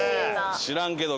「知らんけど」